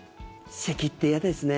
せきって嫌ですね。